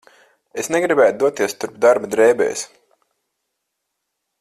Es negribētu doties turp darba drēbēs.